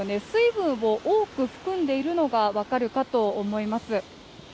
水分を多く含んでいるのが分かるかと思います。